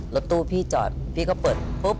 รถตู้พี่จอดพี่ก็เปิดปุ๊บ